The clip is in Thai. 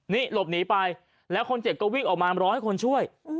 นี่หลบหนีไปแล้วคนเจ็บก็วิ่งออกมาร้อยคนช่วย